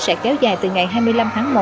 sẽ kéo dài từ ngày hai mươi năm tháng một